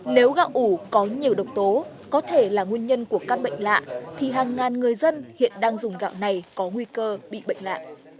nếu gạo ủ có nhiều độc tố có thể là nguyên nhân của các bệnh lạ thì hàng ngàn người dân hiện đang dùng gạo này có nguy cơ bị bệnh lạ